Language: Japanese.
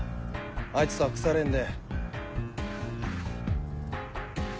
あいつとは腐れ縁で。